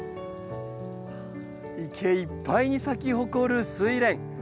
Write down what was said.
池いっぱいに咲き誇るスイレン。